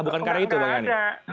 bukan karena itu pak gani